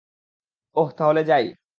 ওহ, তাহলে যাই।